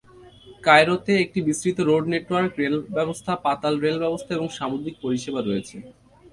কায়রোতে একটি বিস্তৃত road network, rail ব্যবস্থা, পাতাল রেল ব্যবস্থা এবং সামুদ্রিক পরিষেবা রয়েছে।